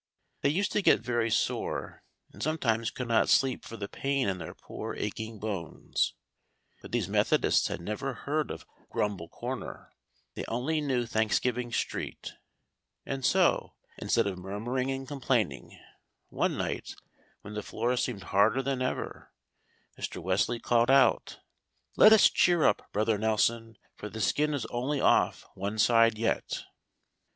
They used to get very sore, and sometimes could not sleep for the pain in their poor aching bones. But these Methodists had never heard of Grumble Corner, they only knew Thanksgiving Street; and so, instead of murmuring and complaining, one night, when the floor seemed harder than ever, Mr. Wesley called out: "Let us cheer up, Brother Nelson, for the skin is only off one side yet."